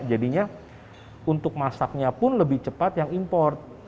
jadinya untuk masaknya pun lebih cepat yang import